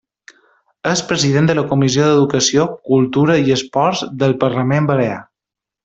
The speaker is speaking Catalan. És president de la Comissió d'Educació, Cultura i Esports del Parlament Balear.